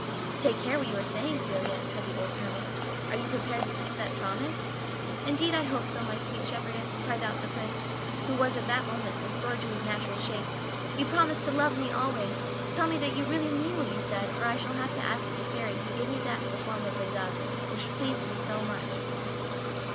"Take care what you are saying, Celia," said the old hermit; "are you prepared to keep that promise?" "Indeed, I hope so, my sweet shepherdess," cried the Prince, who was at that moment restored to his natural shape. "You promised to love me always; tell me that you really mean what you said, or I shall have to ask the Fairy to give me back the form of the dove which pleased you so much."